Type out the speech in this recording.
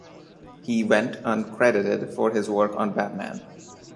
He went uncredited for his work on "Batman".